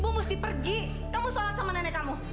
kamu mesti pergi kamu sholat sama nenek kamu